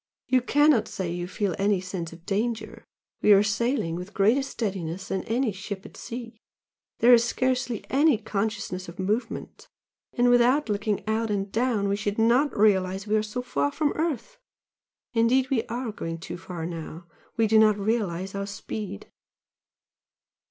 You cannot say you feel any sense of danger? we are sailing with greater steadiness than any ship at sea there is scarcely any consciousness of movement and without looking out and down, we should not realise we are so far from earth. Indeed we are going too far now we do not realize our speed."